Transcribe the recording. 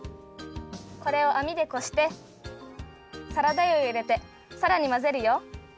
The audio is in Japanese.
これをあみでこしてサラダ油をいれてさらにまぜるよ。